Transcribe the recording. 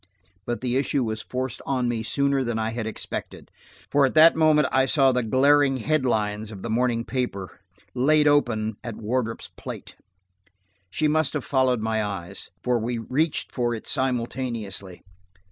But the issue was forced on me sooner than I had expected, for at that moment I saw the glaring head lines of the morning paper, laid open at Wardrop's plate. She must have followed my eyes, for we reached for it simultaneously.